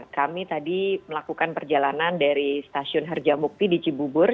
kami tadi melakukan perjalanan dari stasiun harjamukti di cibubur